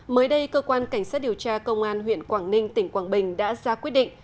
mới đây cơ quan cảnh sát điều tra công an huyện quảng ninh tỉnh quảng bình đã ra quyết định